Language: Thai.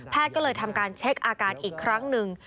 ก็เลยทำการเช็คอาการอีกครั้งหนึ่ง